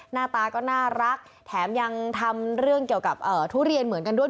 หน้าตาก็น่ารักแถมยังทำเรื่องเกี่ยวกับทุเรียนเหมือนกันด้วย